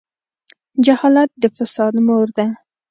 جهالت د فساد مور ده.